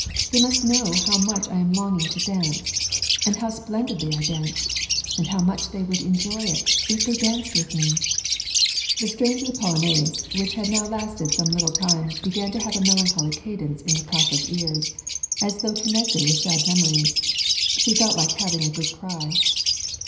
" They must know how I am longing to dance, and how splendidly I dance, and how much they would enjoy it if they danced with me !" The strains of the polonaise, which had now lasted some lit tle time, began to have a melancholy cadence in Natasha's ears, — as though connected with sad memories. She felt like hav ing a good cry.